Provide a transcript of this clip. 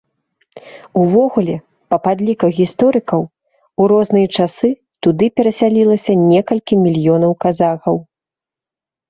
Увогуле, па падліках гісторыкаў, у розныя часы туды перасялілася некалькі мільёнаў казахаў.